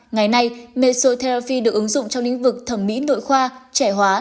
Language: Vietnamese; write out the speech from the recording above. ngày nay metrofi được ứng dụng trong lĩnh vực thẩm mỹ nội khoa trẻ hóa